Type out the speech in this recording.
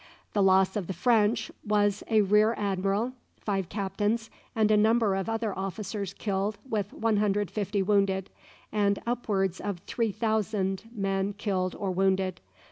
The loss of the French was a Rear Admiral, five captains, and a number of other officers killed with 150 wounded, and upwards of 3000 men killed or wounded.